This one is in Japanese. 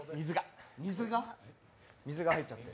水が入っちゃった。